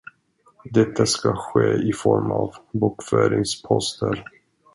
Detta ska ske i form av bokföringsposter.